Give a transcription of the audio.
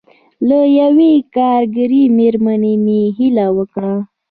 له یوې کارګرې مېرمنې مې هیله وکړه.